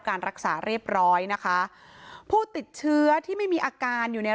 การรักษาเรียบร้อยนะคะผู้ติดเชื้อที่ไม่มีอาการอยู่ใน